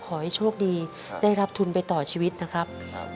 ขอให้โชคดีได้รับทุนไปต่อชีวิตนะครับ